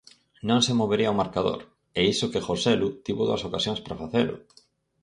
Non se movería o marcador, e iso que Joselu tivo dúas ocasións para facelo.